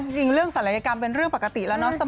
จริงเรื่องศัลยกรรมเป็นเรื่องปกติแล้วเนาะ